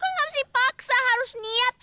kan gak mesti paksa harus niat